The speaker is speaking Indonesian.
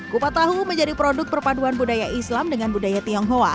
kupat tahu menjadi produk perpaduan budaya islam dengan budaya tionghoa